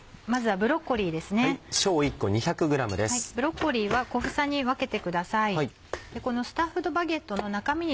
ブロッコリーは小房に分けてください。